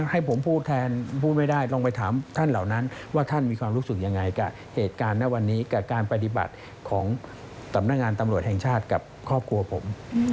ให้ผมพูดแทนพูดไม่ได้ลองไปถามท่านเหล่านั้นว่าท่านมีความรู้สึกยังไงกับเหตุการณ์ณวันนี้กับการปฏิบัติของสำนักงานตำรวจแห่งชาติกับครอบครัวผม